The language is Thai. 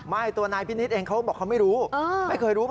ไม่ตัวนายพี่นิสเองเขาบอกว่าเขาไม่รู้